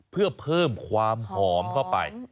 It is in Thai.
เพื่อเพิ่มความหอมเข้าไป